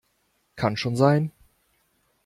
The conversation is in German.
Kann schon sein.